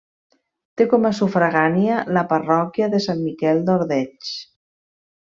Té com a sufragània la parròquia de Sant Miquel d'Ordeig.